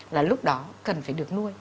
là lúc đó cần phải được nuôi